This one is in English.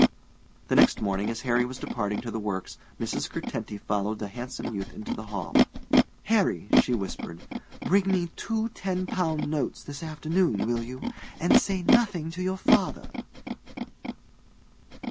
The next morning, as Harry was departing to the works, Mrs. Curtenty followed the handsome youth into the hall. 'Harry,' she whispered, 'bring me two ten pound notes this afternoon, will you, and say nothing to your father.'